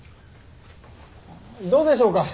どうでしょうか。